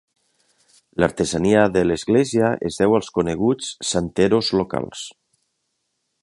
L'artesania de l'església es deu als coneguts Santeros locals.